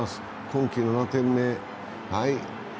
今季７点目。